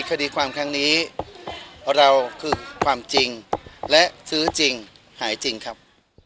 คดีความครั้งนี้เราคือความจริงและซื้อจริงหายจริงครับ